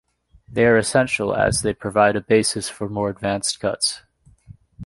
They are essential as they provide a basis for more advanced cuts.